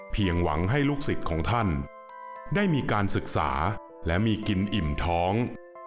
หวังให้ลูกศิษย์ของท่านได้มีการศึกษาและมีกินอิ่มท้อง